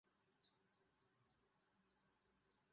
"Comet" was shelved, and shortly thereafter, the trio disbanded.